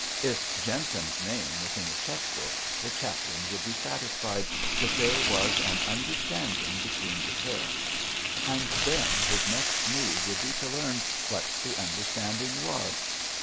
If Jentham's name was in the cheque book the chaplain would be satisfied that there was an understanding between the pair; and then his next move would be to learn what the understanding was.